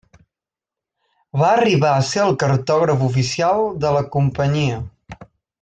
Va arribar a ser el cartògraf oficial de la companyia.